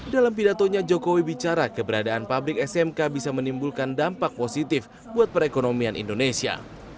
dalam pidatonya jokowi bicara keberadaan pabrik smk bisa menimbulkan dampak positif buat perekonomian indonesia